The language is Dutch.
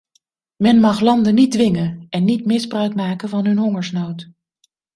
Men mag landen niet dwingen en niet misbruik maken van hun hongersnood.